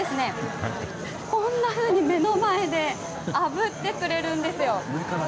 こんなふうに目の前であぶってくれるんですよ。